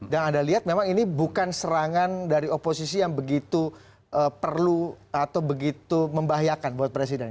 dan anda lihat memang ini bukan serangan dari oposisi yang begitu perlu atau begitu membahayakan buat presiden